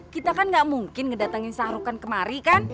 kita kan gak mungkin ngedatangin sahrukan kemari kan